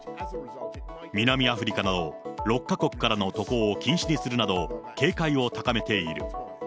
南アフリカなど、６か国からの渡航を禁止にするなど、警戒を高めている。